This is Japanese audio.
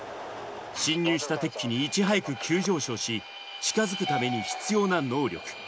侵入した敵機にいち早く急上昇し、近づくために必要な能力。